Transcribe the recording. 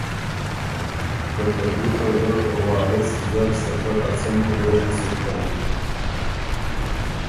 که ته دُوکه ګۀ وارث زر سکه ا څمی خوېڒي سُک بېن